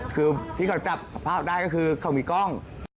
คือที่เขาจับภาพได้ก็คือเขามีกล้อง